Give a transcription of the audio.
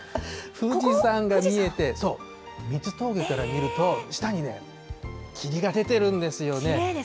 富士山が見えて、三ツ峠から見ると、下に霧が出てるんですよね。